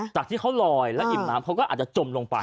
จากที่เขาลอยแล้วอิ่มน้ำเขาก็อาจจะจมลงไป